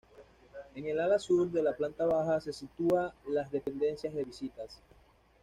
En el ala sur de la planta baja se sitúa las dependencias de visitas.